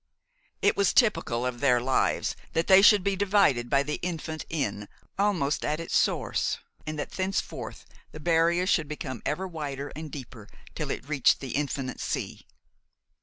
It was typical of their lives that they should be divided by the infant Inn, almost at its source, and that thenceforth the barrier should become ever wider and deeper till it reached the infinite sea.